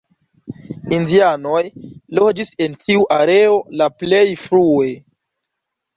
Indianoj loĝis en tiu areo la plej frue.